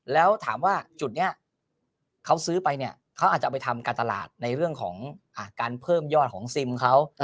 แล้วถามว่าจุดนี้เขาซื้อไปเนี่ยเขาอาจจะเอาไปทำการตลาดในเรื่องของการเพิ่มยอดของซิมเขา